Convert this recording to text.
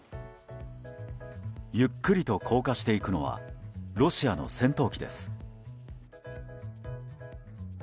ゆっくりと降下していくのはロシアの戦闘機です。